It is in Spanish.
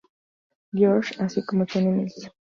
George, así como Tony Miles.